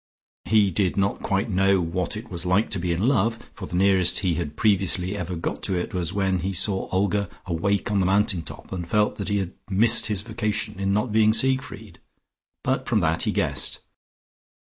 He did not quite know what it was like to be in love, for the nearest he had previously ever got to it was when he saw Olga awake on the mountain top and felt that he had missed his vocation in not being Siegfried, but from that he guessed.